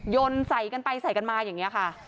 นใส่กันไปใส่กันมาอย่างนี้ค่ะ